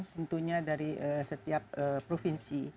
tentunya dari setiap provinsi